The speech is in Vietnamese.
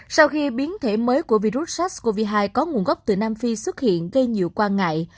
sau khi biến thể mới của virus sars cov hai có nguồn gốc từ nam phi xuất hiện gây nhiều quan ngại